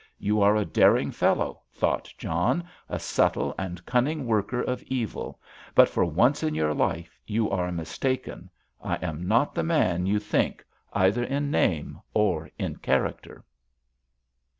You are a daring fellow," thought John; "a subtle and cunning worker of evil, but for once in your life you are mistaken. I am not the man you think, either in name or in character."